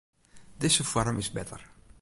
Dizze foarm is better.